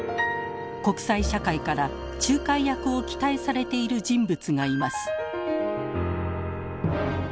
国際社会から仲介役を期待されている人物がいます。